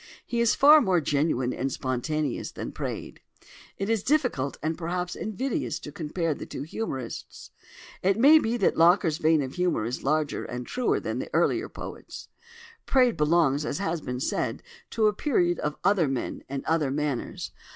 He is far more genuine and spontaneous than Praed. It is difficult and perhaps invidious to compare the two as "humorists." It may be that Locker's vein of humour is larger and truer than the earlier poet's. Praed belongs, as has been said, to a period of other men and other manners.